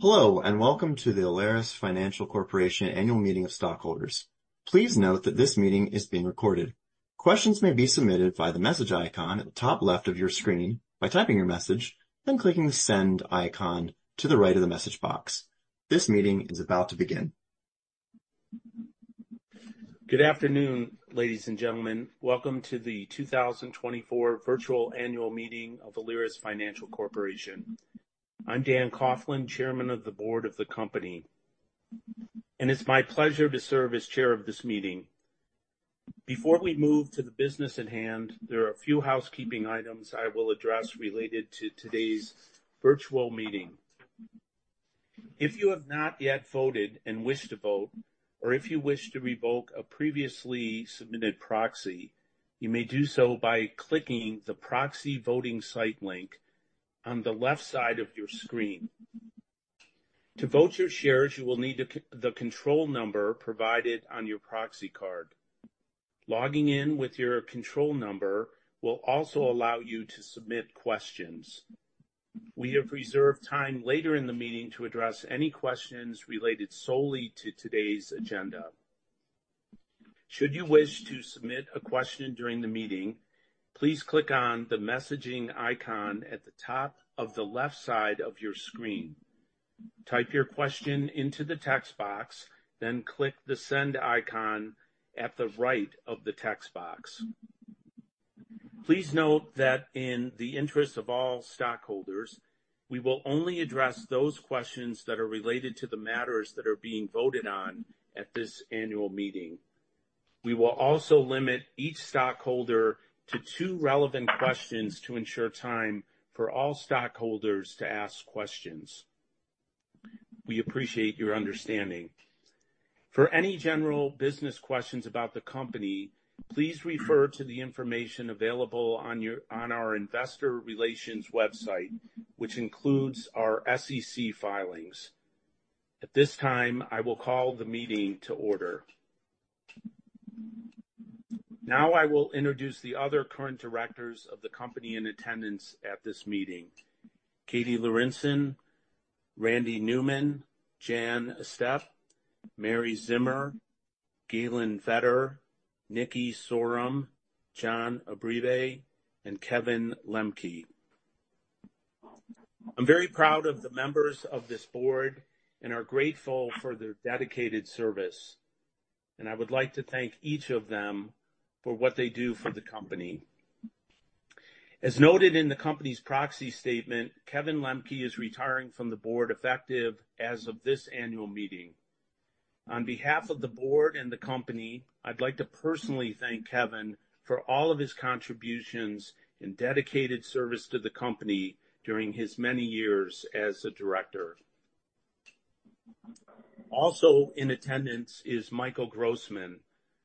Hello, and welcome to the Alerus Financial Corporation Annual Meeting of Stockholders. Please note that this meeting is being recorded. Questions may be submitted via the message icon at the top left of your screen by typing your message, then clicking the send icon to the right of the message box. This meeting is about to begin. Good afternoon, ladies and gentlemen. Welcome to the 2024 virtual annual meeting of Alerus Financial Corporation. I'm Dan Coughlin, Chairman of the Board of the company, and it's my pleasure to serve as Chair of this meeting. Before we move to the business at hand, there are a few housekeeping items I will address related to today's virtual meeting. If you have not yet voted and wish to vote, or if you wish to revoke a previously submitted proxy, you may do so by clicking the proxy voting site link on the left side of your screen. To vote your shares, you will need the control number provided on your proxy card. Logging in with your control number will also allow you to submit questions. We have reserved time later in the meeting to address any questions related solely to today's agenda. Should you wish to submit a question during the meeting, please click on the messaging icon at the top of the left side of your screen. Type your question into the text box, then click the send icon at the right of the text box. Please note that in the interest of all stockholders, we will only address those questions that are related to the matters that are being voted on at this annual meeting. We will also limit each stockholder to two relevant questions to ensure time for all stockholders to ask questions. We appreciate your understanding. For any general business questions about the company, please refer to the information available on our investor relations website, which includes our SEC filings. At this time, I will call the meeting to order. Now, I will introduce the other current directors of the company in attendance at this meeting. Katie Lorenson, Randy Newman, Jan Estep, Mary Zimmer, Galen Vetter, Nikki Sorum, John Uribe, and Kevin Lemke. I'm very proud of the members of this board and are grateful for their dedicated service, and I would like to thank each of them for what they do for the company. As noted in the company's proxy statement, Kevin Lemke is retiring from the board, effective as of this annual meeting. On behalf of the board and the company, I'd like to personally thank Kevin for all of his contributions and dedicated service to the company during his many years as a director. Also in attendance is Michael Grossman,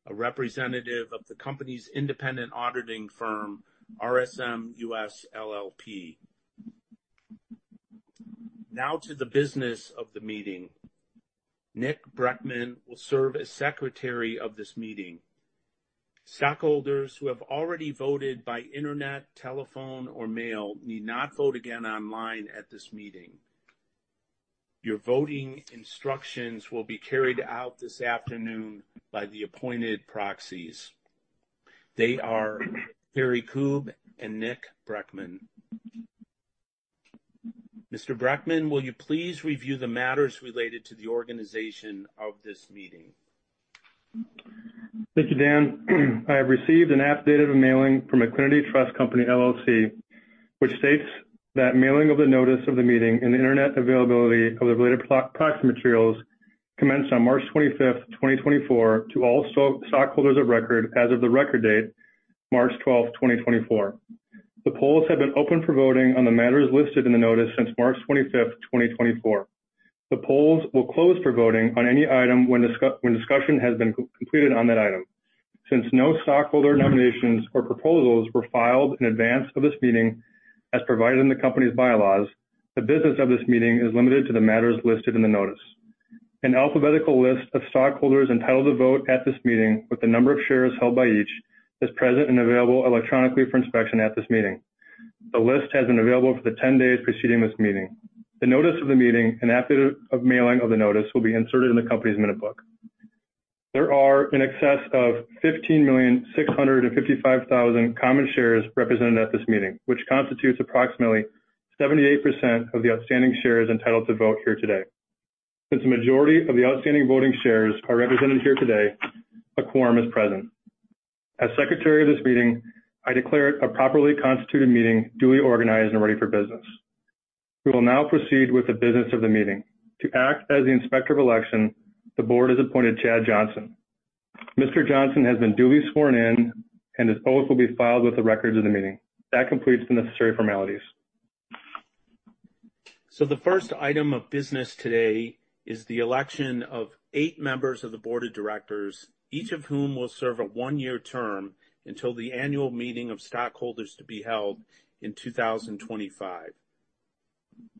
a representative of the company's independent auditing firm, RSM US LLP. Now to the business of the meeting. Nick Brenckman will serve as secretary of this meeting. Stockholders who have already voted by internet, telephone, or mail need not vote again online at this meeting. Your voting instructions will be carried out this afternoon by the appointed proxies. They are Kari Koob and Nick Brenckman. Mr. Brenckman, will you please review the matters related to the organization of this meeting? Thank you, Dan. I have received an affidavit of mailing from Equiniti Trust Company, LLC, which states that mailing of the notice of the meeting and the internet availability of the related proxy materials commenced on March 25, 2024, to all stockholders of record as of the record date, March 12, 2024. The polls have been open for voting on the matters listed in the notice since March 25, 2024. The polls will close for voting on any item when discussion has been completed on that item. Since no stockholder nominations or proposals were filed in advance of this meeting, as provided in the company's bylaws, the business of this meeting is limited to the matters listed in the notice. An alphabetical list of stockholders entitled to vote at this meeting, with the number of shares held by each, is present and available electronically for inspection at this meeting. The list has been available for the 10 days preceding this meeting. The notice of the meeting and affidavit of mailing of the notice will be inserted in the company's minute book. There are in excess of 15,655,000 common shares represented at this meeting, which constitutes approximately 78% of the outstanding shares entitled to vote here today. Since the majority of the outstanding voting shares are represented here today, a quorum is present. As secretary of this meeting, I declare it a properly constituted meeting, duly organized and ready for business. We will now proceed with the business of the meeting. To act as the Inspector of Election, the board has appointed Chad Johnson. Mr. Johnson has been duly sworn in, and his oath will be filed with the records of the meeting. That completes the necessary formalities. The first item of business today is the election of eight members of the board of directors, each of whom will serve a one-year term until the annual meeting of stockholders to be held in 2025.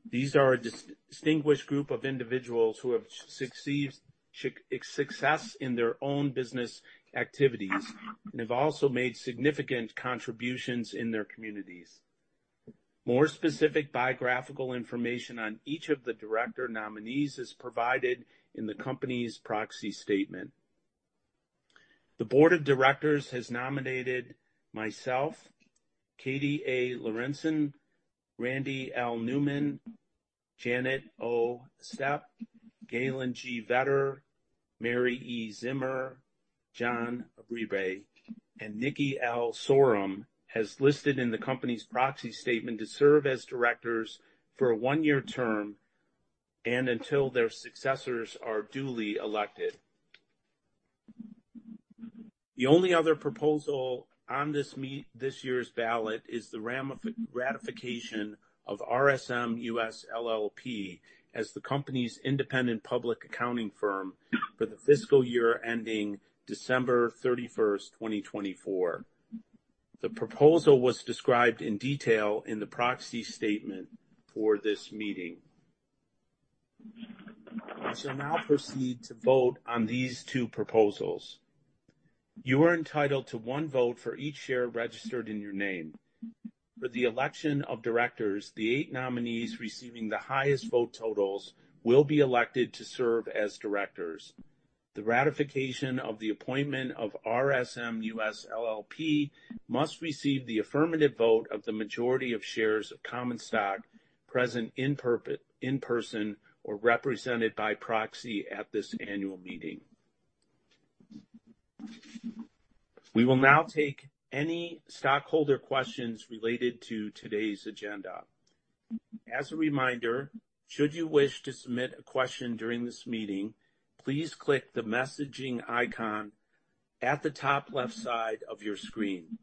These are a distinguished group of individuals who have success in their own business activities, and have also made significant contributions in their communities. More specific biographical information on each of the director nominees is provided in the company's proxy statement. The board of directors has nominated myself, Katie A. Lorenson, Randy L. Newman, Janet O. Estep, Galen G. Vetter, Mary E. Zimmer, John Uribe, and Nikki L. Sorum, as listed in the company's proxy statement, to serve as directors for a one-year term and until their successors are duly elected. The only other proposal on this year's ballot is the ratification of RSM US LLP as the company's independent public accounting firm for the fiscal year ending December 31, 2024. The proposal was described in detail in the proxy statement for this meeting. We shall now proceed to vote on these two proposals. You are entitled to one vote for each share registered in your name. For the election of directors, the eight nominees receiving the highest vote totals will be elected to serve as directors. The ratification of the appointment of RSM US LLP must receive the affirmative vote of the majority of shares of common stock present in person, or represented by proxy at this annual meeting. We will now take any stockholder questions related to today's agenda. As a reminder, should you wish to submit a question during this meeting, please click the messaging icon at the top left side of your screen.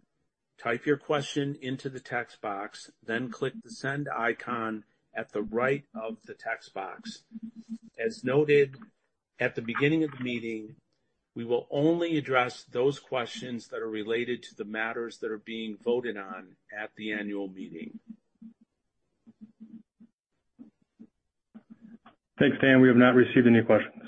Type your question into the text box, then click the send icon at the right of the text box. As noted, at the beginning of the meeting, we will only address those questions that are related to the matters that are being voted on at the annual meeting. Thanks, Dan. We have not received any questions.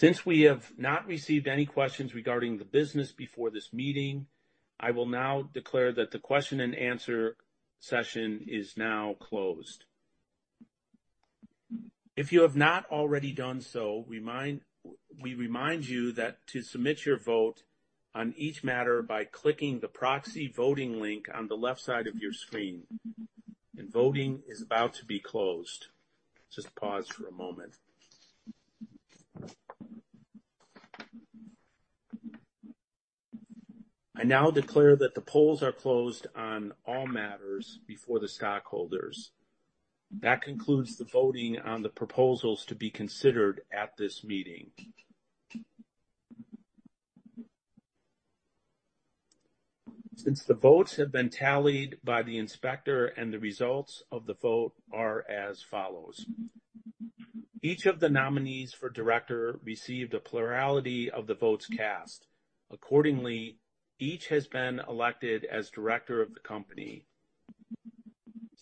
Since we have not received any questions regarding the business before this meeting, I will now declare that the question-and-answer session is now closed. If you have not already done so, we remind you that to submit your vote on each matter by clicking the proxy voting link on the left side of your screen. Voting is about to be closed. Just pause for a moment. I now declare that the polls are closed on all matters before the stockholders. That concludes the voting on the proposals to be considered at this meeting. Since the votes have been tallied by the inspector and the results of the vote are as follows: Each of the nominees for director received a plurality of the votes cast. Accordingly, each has been elected as director of the company.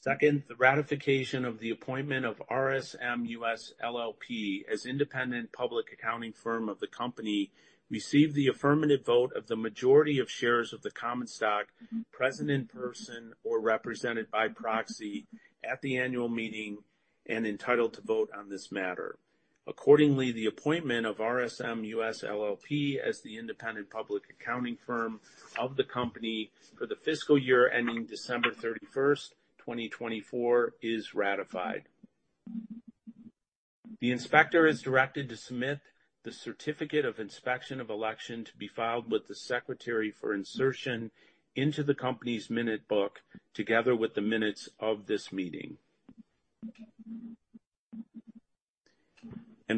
Second, the ratification of the appointment of RSM US LLP as independent public accounting firm of the company received the affirmative vote of the majority of shares of the common stock present in person or represented by proxy at the annual meeting and entitled to vote on this matter. Accordingly, the appointment of RSM US LLP as the independent public accounting firm of the company for the fiscal year ending December 31, 2024, is ratified. The inspector is directed to submit the Certificate of Inspection of Election to be filed with the Secretary for insertion into the company's minute book, together with the minutes of this meeting.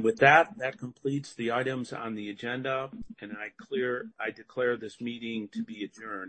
With that, that completes the items on the agenda, and I declare this meeting to be adjourned.